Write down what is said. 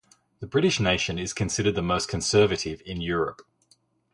The British nation is considered the most conservative in Europe.